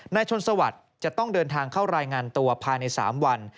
นายชนสวัสดิ์จะต้องเดินทางเข้ารายงานตัวภายใน๓วัน